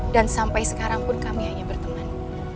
dan sampai sekarang pun kami hanya berteman